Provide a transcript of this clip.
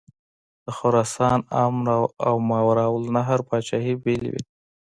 د خراسان او ماوراءالنهر پاچهي بېلې وې.